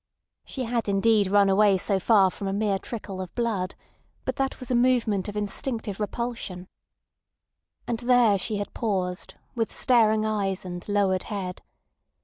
She had indeed run away so far from a mere trickle of blood, but that was a movement of instinctive repulsion. And there she had paused, with staring eyes and lowered head.